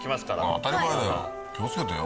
当たり前だよ